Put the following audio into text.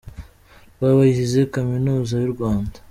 rw’abayize Kaminuza y’u Rwanda.